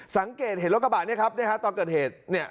สังเกตเห็นรถกระบาดนี้ครับตอนเกิดเหตุ